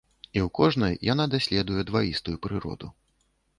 І ў кожнай яна даследуе дваістую прыроду.